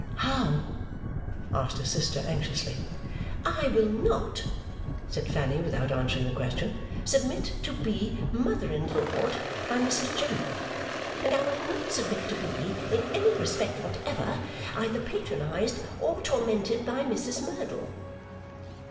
'How?' asked her sister, anxiously. 'I will not,' said Fanny, without answering the question, 'submit to be mother in lawed by Mrs General; and I will not submit to be, in any respect whatever, either patronised or tormented by Mrs Merdle.